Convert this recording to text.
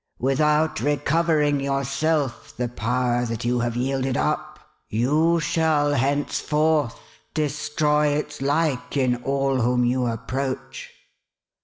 AVithout recovering yourself the power that you have yielded up, you shall henceforth destroy its like in all whom you approach.